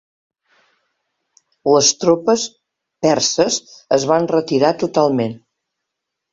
Les tropes perses es van retirar totalment.